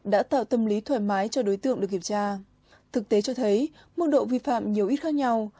đã tạo tâm lý thoải mái cho đối tượng được kiểm tra thực tế cho thấy mức độ vi phạm nhiều ít khác nhau